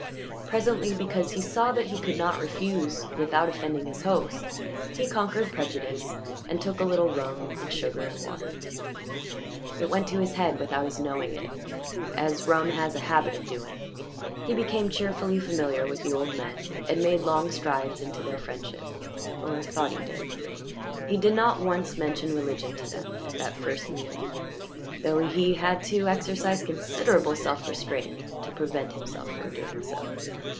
Presently, because he saw that he could not refuse without offending his host, he conquered prejudice and took a little rum and sugar and water. It went to his head without his knowing it, as rum has a habit of doing; he became cheerfully familiar with the old men and made long strides into their friendship or thought he did. He did not once mention religion to them at that first meeting, though he had to exercise considerable self restraint to prevent himself from doing so.